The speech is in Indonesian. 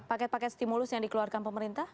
paket paket stimulus yang dikeluarkan pemerintah